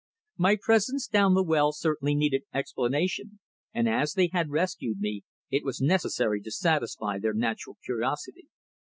My presence down the well certainly needed explanation, and as they had rescued me, it was necessary to satisfy their natural curiosity.